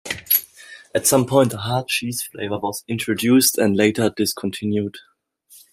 At some point a Hard Cheese flavour was introduced and later discontinued.